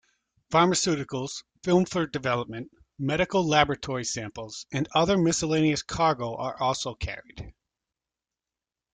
Pharmaceuticals, film for development, medical laboratory samples, and other miscellaneous cargo are also carried.